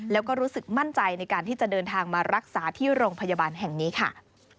แล้วก็รู้สึกมั่นใจในการที่จะเดินทางมารักษาที่โรงพยาบาลแห่งนี้ค่ะ